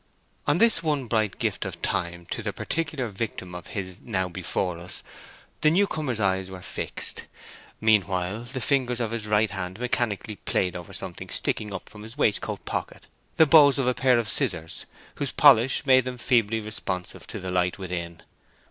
On this one bright gift of Time to the particular victim of his now before us the new comer's eyes were fixed; meanwhile the fingers of his right hand mechanically played over something sticking up from his waistcoat pocket—the bows of a pair of scissors, whose polish made them feebly responsive to the light within.